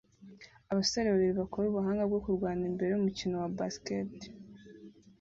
Abasore babiri bakora ubuhanga bwo kurwana imbere yumukino wa basket